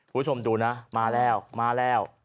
คุณผู้ชมดูนะมาแล้วมาแล้ว